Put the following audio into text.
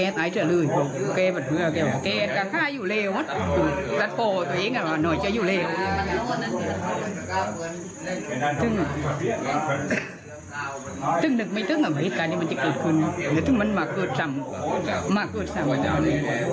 ถึงนึกว่าตอนนี้จะเกิดขึ้นหรือมันมาเกิดสาม